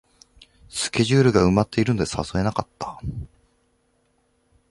スケジュールが埋まってるので誘えなかった